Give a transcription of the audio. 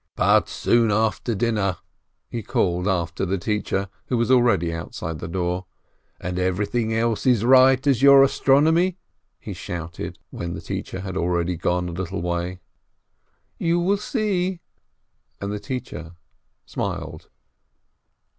"But soon after dinner," he called after the teacher, who was already outside the door. "And everything else is as right as your astronomy?" he shouted, when the teacher had already gone a little way. "You will see !" and the teacher smiled.